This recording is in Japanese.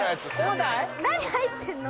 何入ってんの？